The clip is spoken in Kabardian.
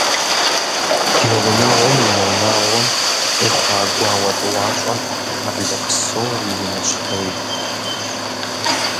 Ди гъунэгъум я унагъуэм къихъуа гуауэ тӏуащӏэм хьэблэ псор иринэщхъейт.